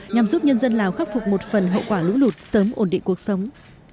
nhằm giúp nhân dân lào khắc phục một phần hậu quả lũ lụt sớm ổn định cuộc sống